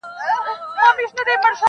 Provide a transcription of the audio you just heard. o هنر هنر سوم زرګري کوومه ښه کوومه,